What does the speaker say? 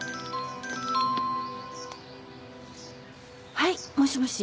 はいもしもし。